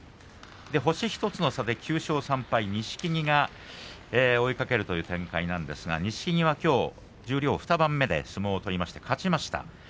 星１つの差で９勝３敗、錦木が追いかけるという展開なんですが錦木はきょう十両２番目で相撲を取りまして勝ちました。